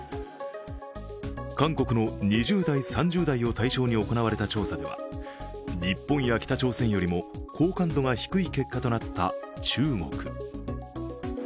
韓国の２０代３０代を対象に行われた調査では日本や北朝鮮よりも好感度が低い結果となった中国。